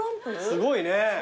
すごいね。